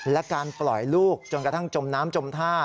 และการปล่อยลูกจนกระทั่งจมน้ำจมท่า